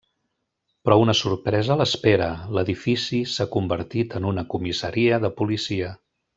Però una sorpresa l'espera: l'edifici s'ha convertit en una comissaria de policia.